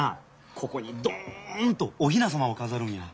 ここにどんとお雛様を飾るんや。